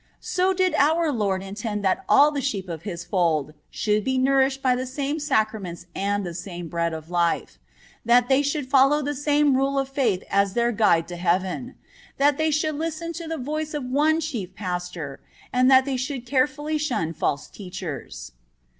So did our Lord intend that all the sheep of His fold should be nourished by the same sacraments and the same bread of life; that they should follow the same rule of faith as their guide to heaven; that they should listen to the voice of one Chief Pastor, and that they should carefully shun false teachers.